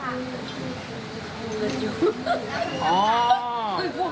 กูเงินอยู่อ๋อ